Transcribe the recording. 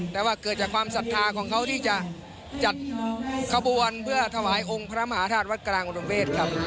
แต่ว่าเกิดจากความศรัทธาของเขาที่จะจัดขบวนเพื่อถวายองค์พระมหาธาตุวัดกลางอุดมเวศครับ